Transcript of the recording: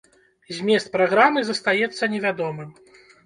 Змест праграмы застаецца невядомым.